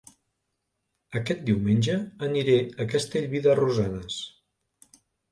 Aquest diumenge aniré a Castellví de Rosanes